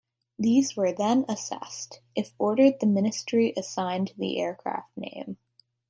These were then assessed, if ordered the Ministry assigned the aircraft name.